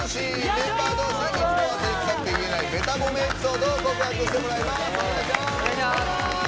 メンバー同士、いつもはてれくさくて言えないベタ褒めエピソードを告白してもらいます。